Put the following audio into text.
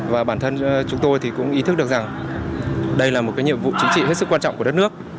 và bản thân chúng tôi thì cũng ý thức được rằng đây là một cái nhiệm vụ chính trị hết sức quan trọng của đất nước